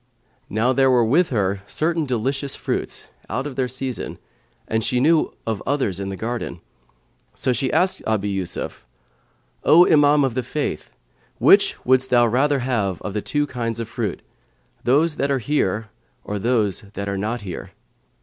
Now there were with her certain delicious fruits, out of their season, and she knew of others in the garden; so she asked Abu Yusuf, "O Imam of the Faith, which wouldst thou rather have of the two kinds of fruits, those that are here or those that are not here?"